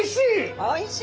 おいしい！